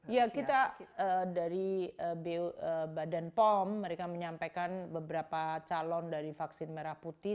ya kita dari badan pom mereka menyampaikan beberapa calon dari vaksin merah putih